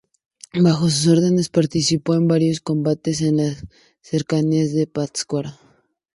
Bajo sus órdenes participó en varios combates en las cercanías de Pátzcuaro.